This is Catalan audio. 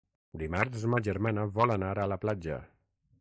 Dimarts ma germana vol anar a la platja.